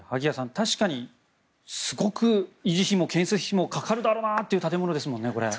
確かにすごく維持費も建設費もかかるだろうなという建物ですもんね。